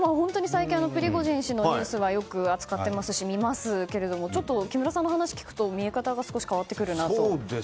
プリゴジン氏のニュースはよく扱ってますし、見ますけど木村さんの話を聞くと見え方が少し変わってくるなと。